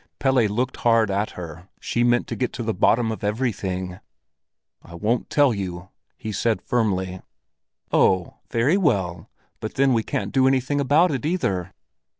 Pelle looked hard at her; she meant to get to the bottom of everything. "I won't tell you!" he said firmly. "Oh, very well! But then we can't do anything about it either."